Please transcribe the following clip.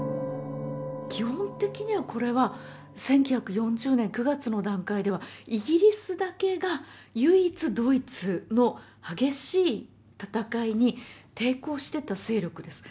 基本的にはこれは１９４０年９月の段階ではイギリスだけが唯一ドイツの激しい戦いに抵抗してた勢力です。